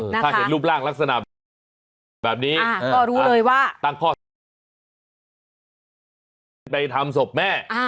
ถ้าเห็นรูปร่างลักษณะแบบนี้ก็รู้เลยว่าตั้งข้อสังเกตไปทำศพแม่